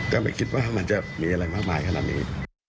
ก็ไม่คิดว่ามันจะมีอะไรมากมายขนาดนี้